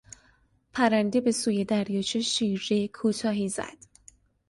پرنده بهسوی دریاچه شیرجهی کوتاهی زد.